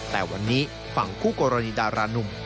แต่วันนี้ฝั่งคู่กรณีดารานุ่ม